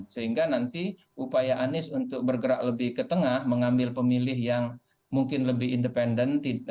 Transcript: sehingga nanti upaya anies untuk bergerak lebih ke tengah mengambil pemilih yang mungkin lebih independen